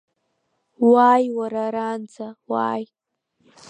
Уааии, уара, аранӡа, уааии!